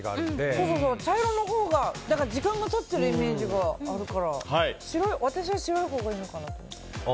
そうそう、茶色のほうが時間が経っているイメージなので私は白いほうがいいのかなと。